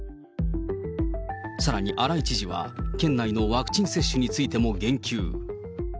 さらに荒井知事は、県内のワクチン接種についても言及。